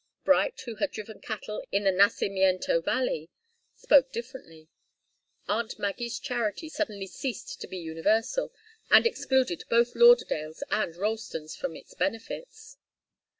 Bright, who had driven cattle in the Nacimiento Valley, spoke differently. Aunt Maggie's charity suddenly ceased to be universal, and excluded both Lauderdales and Ralstons from its benefits.